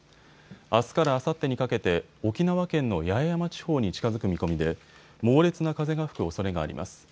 あすからあさってにかけて沖縄県の八重山地方に近づく見込みで猛烈な風が吹くおそれがあります。